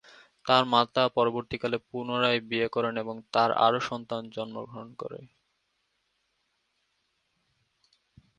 তার মাতা পরবর্তীকালে পুনরায় বিয়ে করেন এবং তার আরও সন্তান জন্মগ্রহণ করে।